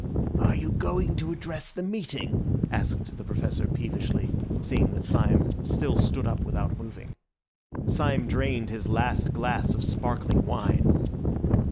"Are you going to address the meeting?" asked the Professor peevishly, seeing that Syme still stood up without moving. Syme drained his last glass of sparkling wine.